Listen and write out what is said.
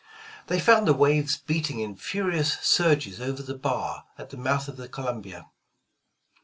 They found the waves beating in furious surges over the bar at the mouth of the Columbia.